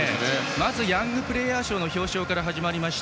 まず、ヤングプレーヤー賞の表彰から始まりました。